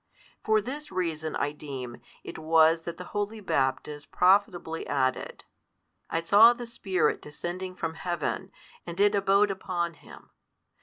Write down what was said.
For this reason, I deem, it was that the holy Baptist profitably added, I saw the Spirit descending from Heaven, and It abode upon Him.